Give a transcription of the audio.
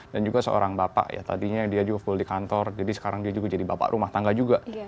dan juga seorang bapak ya tadinya dia juga full di kantor jadi sekarang dia juga jadi bapak rumah tangga juga